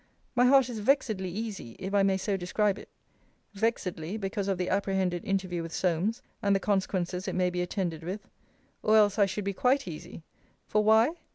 My heart is vexedly easy, if I may so describe it. Vexedly because of the apprehended interview with Solmes, and the consequences it may be attended with: or else I should be quite easy; for why?